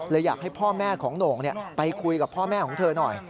อยากให้พ่อแม่ของโหน่งไปคุยกับพ่อแม่ของเธอหน่อย